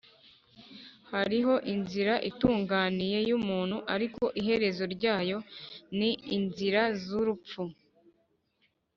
hariho inzira itunganiye y’umuntu, ariko iherezo ryayo ni inzira z’urupfu